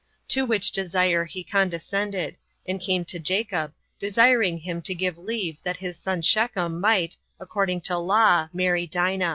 To which desire he condescended, and came to Jacob, desiring him to give leave that his son Shechem might, according to law, marry Dina.